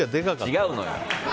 違うのよ！